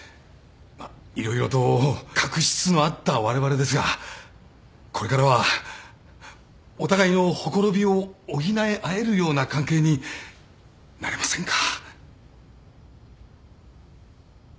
まあ色々と確執のあったわれわれですがこれからはお互いのほころびを補い合えるような関係になれませんか？